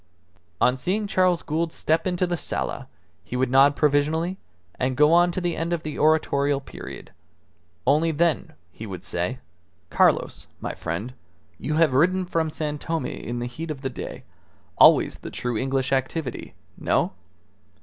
On seeing Charles Gould step into the sala he would nod provisionally and go on to the end of the oratorial period. Only then he would say "Carlos, my friend, you have ridden from San Tome in the heat of the day. Always the true English activity. No?